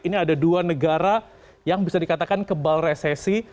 ini ada dua negara yang bisa dikatakan kebal resesi